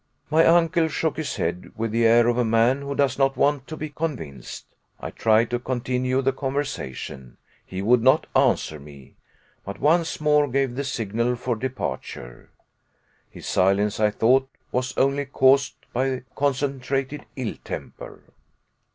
My uncle shook his head with the air of a man who does not want to be convinced. I tried to continue the conversation. He would not answer me, but once more gave the signal for departure. His silence I thought was only caused by concentrated ill temper.